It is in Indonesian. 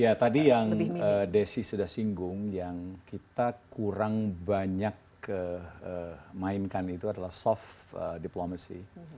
ya tadi yang desi sudah singgung yang kita kurang banyak mainkan itu adalah soft diplomacy